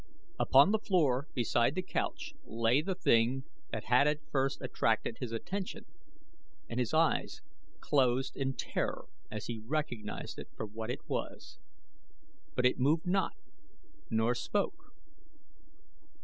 Upon the floor beside the couch lay the thing that had at first attracted his attention and his eyes closed in terror as he recognized it for what it was; but it moved not, nor spoke.